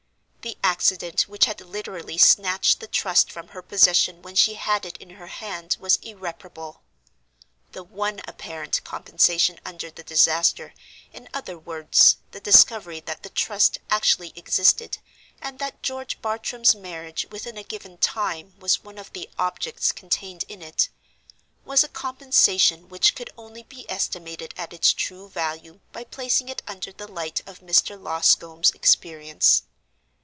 The accident which had literally snatched the Trust from her possession when she had it in her hand was irreparable. The one apparent compensation under the disaster—in other words, the discovery that the Trust actually existed, and that George Bartram's marriage within a given time was one of the objects contained in it—was a compensation which could only be estimated at its true value by placing it under the light of Mr. Loscombe's experience.